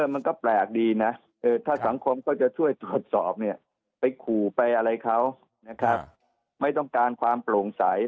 มันก็แปลกดีนะถ้าสังคมก็จะช่วยตรวจสอบเนี่ยไปขู่ไปอะไรเขานะครับไม่ต้องการความโปร่งใส